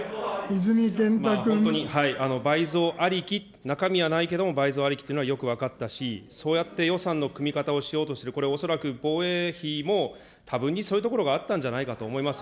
本当に、倍増ありき、中身はないけども倍増ありきというのはよく分かったし、そうやって予算の組み方をしようとする、これ、おそらく防衛費も多分にそういうところがあったんじゃないかと思いますよ。